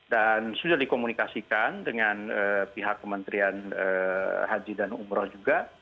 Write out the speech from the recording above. dan sudah dikomunikasikan dengan pihak kementerian haji dan umroh juga